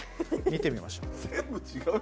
見てみましょう。